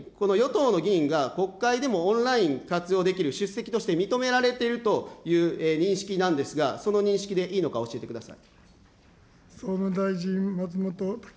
松本大臣、この与党の議員が、国会でもオンライン活用できる、出席として認められているという認識なんですが、その認識でいいのか、教えてください。